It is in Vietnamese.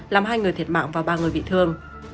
làm hai người thiệt mạng và ba người bị thương